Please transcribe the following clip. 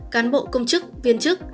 cán bộ công chức viên chức